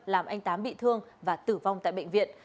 làm anh tám bị thương và tử vong tại bệnh viện